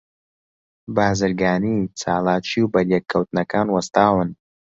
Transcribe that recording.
بازرگانی، چالاکی، و بەریەک کەوتنەکان وەستاون